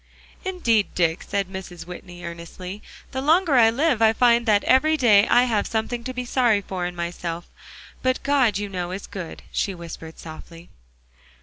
"Indeed, Dick," said Mrs. Whitney earnestly, "the longer I live, I find that every day I have something to be sorry for in myself. But God, you know, is good," she whispered softly.